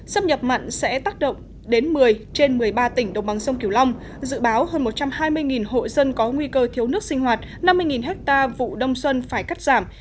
xâm nhập mặn sẽ tác động đến một mươi trên một mươi ba tỉnh đồng bằng sông kiều long dự báo hơn một trăm hai mươi hộ dân có nguy cơ thiếu nước sinh hoạt năm mươi ha vụ đông xuân phải cắt giảm